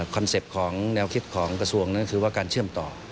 เป็ปต์ของแนวคิดของกระทรวงนั้นคือว่าการเชื่อมต่อ